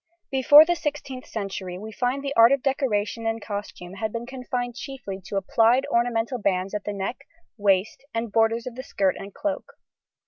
Before the 16th century we find the art of decoration in costume had been confined chiefly to applied ornamental bands at the neck, waist, and borders of skirt and cloak.